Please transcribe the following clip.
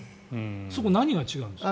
そこ、何が違うんですか？